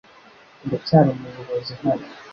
Ndacyari umuyobozi hano .